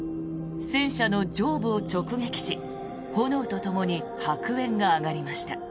戦車の上部を直撃し炎とともに白煙が上がりました。